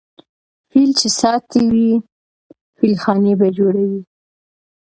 ـ فيل چې ساتې فيلخانې به جوړوې.